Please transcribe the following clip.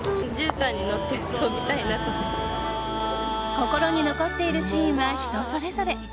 心に残っているシーンは人それぞれ。